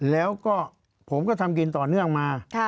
แล้วก็ผมก็ทำกินต่อเนื่องมา